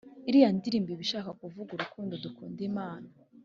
Iriya ndirimbo Iba ishaka kuvuga urukundo dukunda Imana